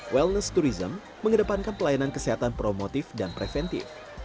wellness tourism mengedepankan pelayanan kesehatan promotif dan preventif